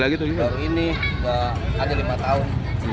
baru ini ada lima tahun